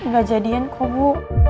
gak jadian kok bu